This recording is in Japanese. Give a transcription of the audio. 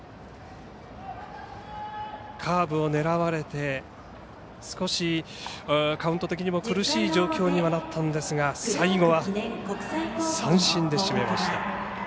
カーブを狙われて少しカウント的にも苦しい状況にはなったんですが最後は三振で締めました。